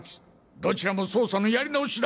どちらも捜査のやり直しだ！